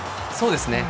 そうですね。